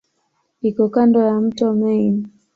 Iko kando ya mto Main.